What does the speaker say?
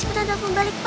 cepetan telfon balik pa